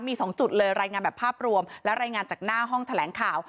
มี๒จุดเลยรายงานแบบภาพรวมและรายงานจากหน้าห้องแถลงข่าว